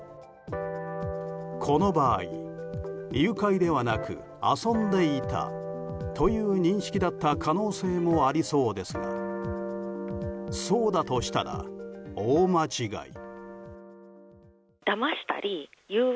この場合、誘拐ではなく遊んでいたという認識だった可能性もありそうですがそうだとしたら大間違い。